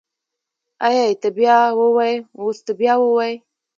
ای ای ته بيا ووی اوس ته بيا ووی.